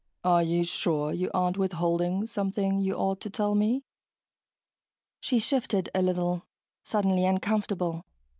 "Are you sure you aren't withholding something you ought to tell me?" She shifted a little, suddenly uncomfortable